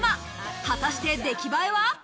果たして出来栄えは？